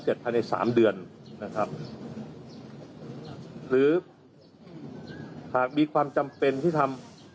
ภายในสามเดือนนะครับหรือหากมีความจำเป็นที่ทำ